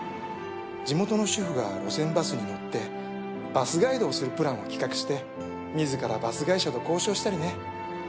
地元の主婦が路線バスに乗ってバスガイドをするプランを企画して自らバス会社と交渉したりね。